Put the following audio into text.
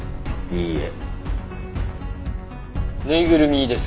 いいえ。